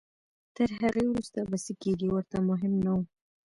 تر هغې وروسته به څه کېږي ورته مهم نه وو.